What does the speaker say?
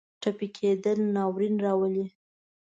ټپي کېدل ناورین راولي.